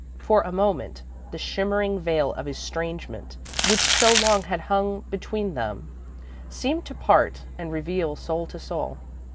For a moment the shimmering veil of estrangement which so long had hung between them, seemed to part, and reveal soul to soul.